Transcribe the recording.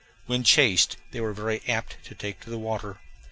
When chased they were very apt to take to the water.